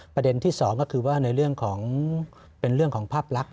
ประเด็นที่สองก็คือว่าเป็นเรื่องของภาพลักษณ์